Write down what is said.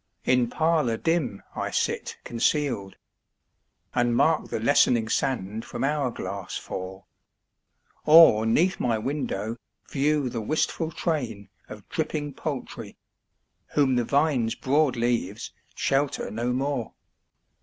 In parlour dim I sit concealed, And mark the lessening sand from hour glass fall; Or 'neath my window view the wistful train Of dripping poultry, whom the vine's broad leaves Shelter no more.